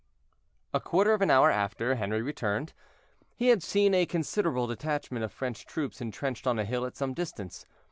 A quarter of an hour after, Henri returned; he had seen a considerable detachment of French troops intrenched on a hill at some distance.